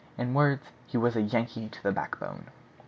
In a word, he was a Yankee to the backbone.